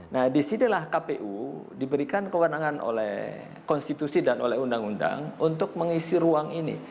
nah disitulah kpu diberikan kewenangan oleh konstitusi dan oleh undang undang untuk mengisi ruang ini